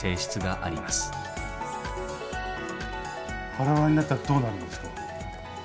バラバラになったらどうなるんですか？